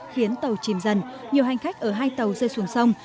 khiến tàu chìm dần nhiều hành khách ở hai tàu rơi xuống sông